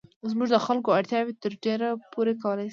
زموږ د خلکو اړتیاوې تر ډېره پوره کولای شي.